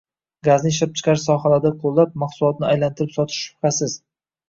Gazni ishlab chiqarish sohalarida qo‘llab, mahsulotga «aylantirib» sotish shubhasiz